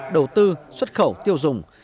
đầu tư xuất khẩu tiêu dùng